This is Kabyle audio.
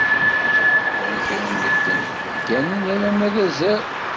Llan kra n medden, gganen alamma d azal